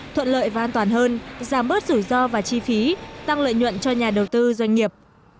thuận lợi và an toàn hơn giảm bớt rủi ro và chi phí tăng lợi nhuận cho nhà đầu tư doanh nghiệp